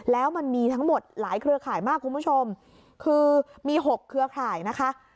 แล้วมันมีทั้งหมดหลายเครือข่ายมากคุณผู้ชมคือมี๖เครือข่ายนะคะ